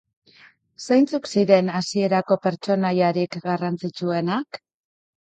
Zeintzuk ziren hasierako pertsonaiarik garrantzitsuenak?